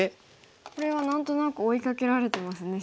これは何となく追いかけられてますね白。